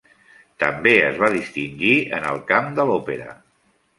També es va distingir en el camp de l'òpera.